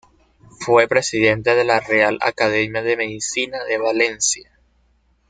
Fue presidente de la Real Academia de Medicina de Valencia.